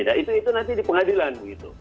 nah itu nanti di pengadilan gitu